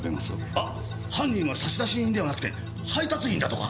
あっ犯人は差出人ではなくて配達員だとか！？